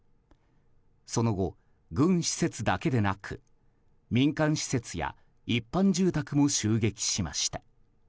その後、軍施設だけでなく民間施設や一般住宅も襲撃しました。